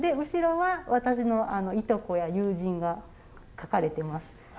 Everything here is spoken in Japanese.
後ろは私のいとこや友人が描かれてます。